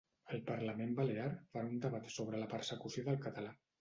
El parlament balear farà un debat sobre la persecució del català.